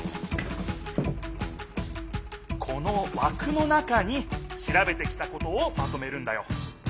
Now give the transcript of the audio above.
このわくの中にしらべてきたことをまとめるんだよ。